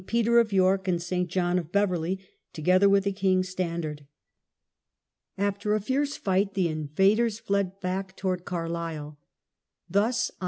Peter of York and S. John of Beverley — together with the king's stan dard. After a fierce fight the invaders fled back towards THE SEIZURE OF THE BISHOPS.